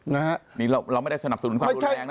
นี่เราไม่ได้สนับสนุนของแรง